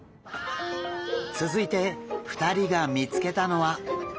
続いて２人が見つけたのは。